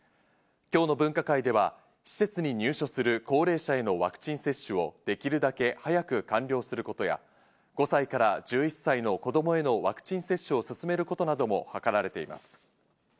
今日の分科会では、施設に入所する高齢者へのワクチン接種をできるだけ早く完了することや、５歳から１１歳の子供へのワクチン接種を進めることなども諮られています。